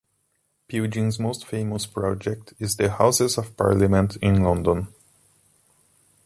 Pugin's most famous project is The Houses of Parliament in London.